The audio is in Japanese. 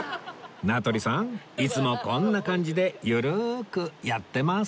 名取さんいつもこんな感じでゆるくやってます